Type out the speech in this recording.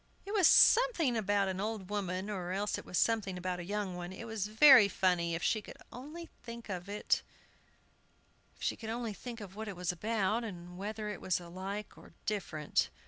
It was something about an old woman, or else it was something about a young one. It was very funny, if she could only think what it was about, or whether it was alike or different.